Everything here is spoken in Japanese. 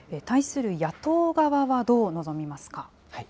対する野党側はどう臨みますか。